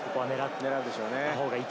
狙うでしょうね。